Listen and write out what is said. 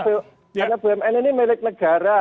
karena bumn ini milik negara